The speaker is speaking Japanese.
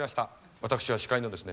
私は司会のですね